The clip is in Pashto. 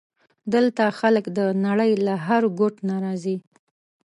دلته خلک د نړۍ له هر ګوټ نه راځي.